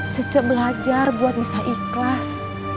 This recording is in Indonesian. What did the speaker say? cecep belajar buat bisa ikhlas